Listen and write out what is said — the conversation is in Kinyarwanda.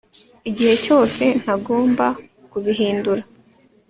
igihe cyose ntagomba kubihindura